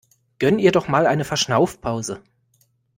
Gönn ihr doch mal eine Verschnaufpause!